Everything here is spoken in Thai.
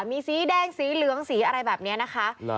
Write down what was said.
มีสีแดงสีเหลืองสีอะไรแบบนี้นะคะ